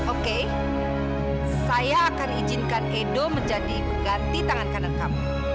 oke saya akan izinkan edo menjadi pengganti tangan kanan kamu